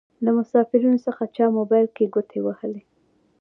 له مسافرينو څخه چا موبايل کې ګوتې وهلې.